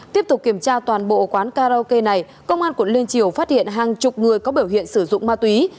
tiếp tục kiểm tra toàn bộ quán karaoke này công an quận liên triều phát hiện hàng chục người có biểu hiện sử dụng ma túy